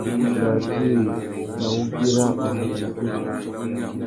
Tu mà djï nà wugüira mamana matê.